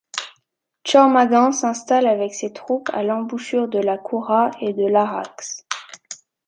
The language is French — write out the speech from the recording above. Tchormaghan s’installe avec ses troupes à l’embouchure de la Koura et de l’Araxe.